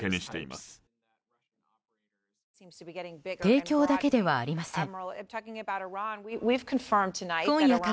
提供だけではありません。